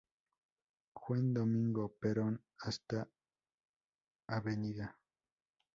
Juan Domingo Perón hasta Av.